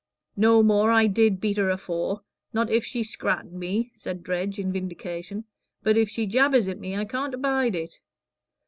"No more I did beat her afore, not if she scrat' me," said Dredge, in vindication; "but if she jabbers at me, I can't abide it.